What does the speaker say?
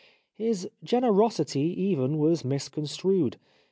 His generosity even was misconstrued.